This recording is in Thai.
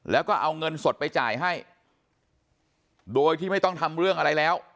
แล้วก็เอาเงินสดไปจ่ายให้โดยที่ไม่ต้องทำเรื่องอะไรแล้ว